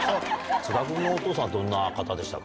津田君のお父さんは、どんな方でしたか？